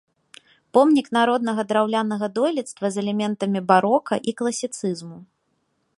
Помнік народнага драўлянага дойлідства з элементамі барока і класіцызму.